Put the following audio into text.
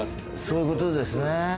そういう事ですね。